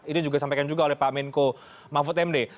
ini juga sampaikan juga oleh pak menko mahfud md